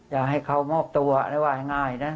อยากให้เขามอบตัวแล้วว่าง่ายนะ